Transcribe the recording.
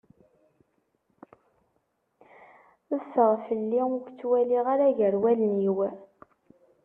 Ffeɣ fell-i ur k-tt waliɣ ara gar wallen-iw.